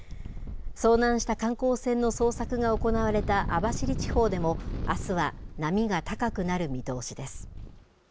遭難した観光船の捜索が行われた網走地方でも、あすは波が高くなる見通しです。